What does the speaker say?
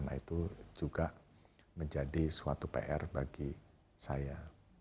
nah itu juga menjadi suatu pr bagi saya